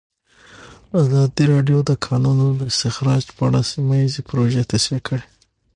ازادي راډیو د د کانونو استخراج په اړه سیمه ییزې پروژې تشریح کړې.